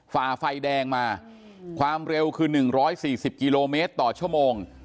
ฝ่าไฟแดงมาความเร็วคือ๑๔๐กิโลเมตรต่อชั่วโมง